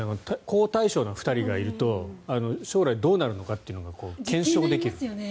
好対照な２人がいると将来、どうなるのかというのが検証できる。